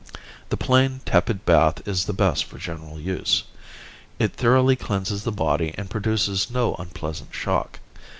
The plain, tepid bath is the best for general use. It thoroughly cleanses the body and produces no unpleasant shock.